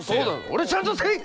俺ちゃんとせい！